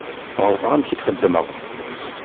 Ɣelḍeɣ amek i txedmeɣ.